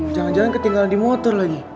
jangan jangan ketinggalan di motor lagi